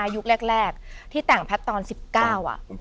ยุคแรกที่แต่งแพทย์ตอน๑๙อ่ะ